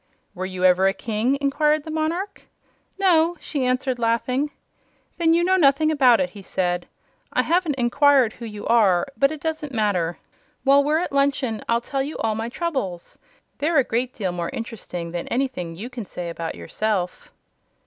"Were you ever a King?" inquired the monarch. "No," she answered, laughing. "Then you know nothing about it," he said. "I haven't inquired who you are, but it doesn't matter. While we're at luncheon, I'll tell you all my troubles. They're a great deal more interesting than anything you can say about yourself."